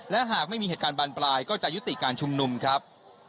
และหากไม่มีเหตุการณ์บานปลายก็จะยุติการชุมนุมครับ